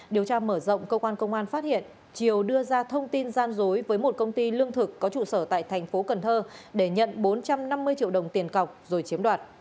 điều tra mở rộng cơ quan công an phát hiện triều đưa ra thông tin gian dối với một công ty lương thực có trụ sở tại thành phố cần thơ để nhận bốn trăm năm mươi triệu đồng tiền cọc rồi chiếm đoạt